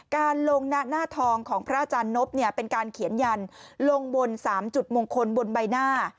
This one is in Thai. การลงหน้าทองของพระอาจารย์นบเป็นการเขียนยันลงบน๓จุดมงคลบนใบหน้า